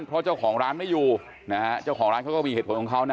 เพราะเจ้าของร้านไม่อยู่นะฮะเจ้าของร้านเขาก็มีเหตุผลของเขานะ